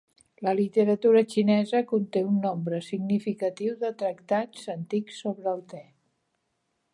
La literatura xinesa conté un nombre significatiu de tractats antics sobre el te.